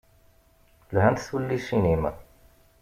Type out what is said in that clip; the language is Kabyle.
Lhant tullisin-im.